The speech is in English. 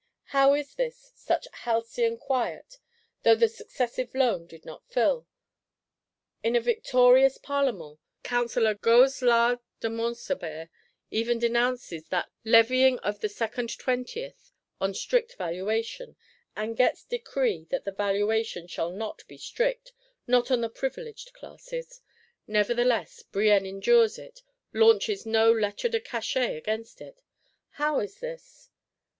How is this; such halcyon quiet; though the Successive Loan did not fill? In a victorious Parlement, Counsellor Goeslard de Monsabert even denounces that "levying of the Second Twentieth on strict valuation;" and gets decree that the valuation shall not be strict,—not on the privileged classes. Nevertheless Brienne endures it, launches no Lettre de Cachet against it. How is this?